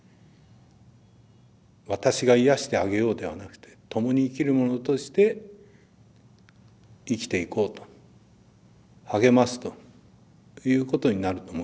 私が癒やしてあげようではなくてともに生きる者として生きていこうと励ますということになると思います。